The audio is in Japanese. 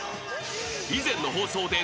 ［以前の放送で］